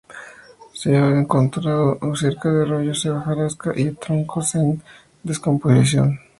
Se ha encontrado cerca de arroyos en hojarasca y troncos en descomposición.